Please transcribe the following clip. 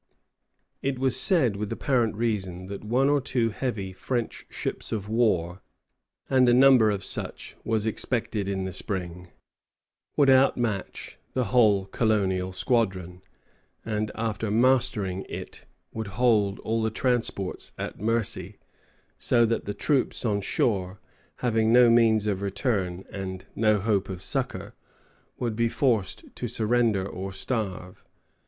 ] It was said, with apparent reason, that one or two heavy French ships of war and a number of such was expected in the spring would outmatch the whole colonial squadron, and, after mastering it, would hold all the transports at mercy; so that the troops on shore, having no means of return and no hope of succor, would be forced to surrender or starve.